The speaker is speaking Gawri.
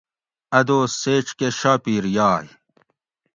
اۤ دوس سیچکۤہ شاپیر یائ